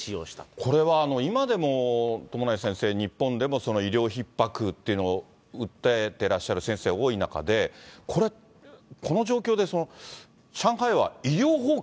これは、今でも友成先生、日本でも医療ひっ迫っていうのを訴えてらっしゃる先生、多い中で、これ、この状況で上海は医療崩壊、